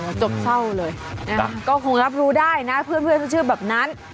จบเศร้าเลยนะก็คงรับรู้ได้นะเพื่อนเขาเชื่อแบบนั้น